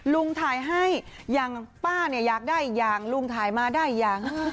ลุงถ่ายให้อย่างป้าเนี่ยอยากได้อีกอย่างลุงถ่ายมาได้ยัง